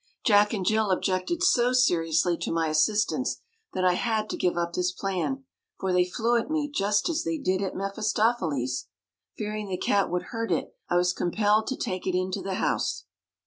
Jack and Jill objected so seriously to my assistance that I had to give up this plan, for they flew at me just as they did at Mephistopheles. Fearing the cat would hurt it I was compelled to take it into the house.